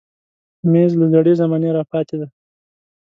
مېز له زړې زمانې راپاتې دی.